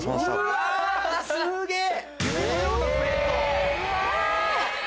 ・うわすげぇ！